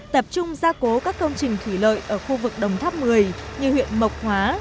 tập trung gia cố các công trình thủy lợi ở khu vực đồng tháp một mươi như huyện mộc hóa